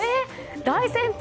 大先輩！